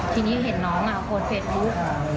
ทีนี้เห็นน้องโพสต์เฟซบุ๊ก